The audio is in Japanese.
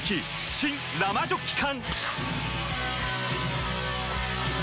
新・生ジョッキ缶！